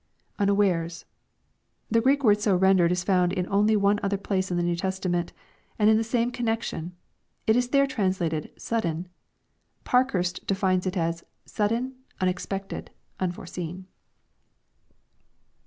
[ Unawares.'] The Greek word so rendered is only found in one other place in the New Testament, and in the same connection. It is there translated " sudden." Parkhui*st defines it as " sudden, unexpected, unforeseen."